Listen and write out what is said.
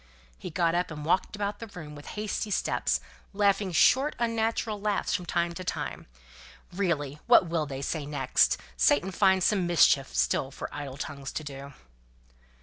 He got up and walked about the room with hasty steps, laughing short unnatural laughs from time to time. "Really what will they say next? 'Satan finds some mischief still for idle tongues to do.'"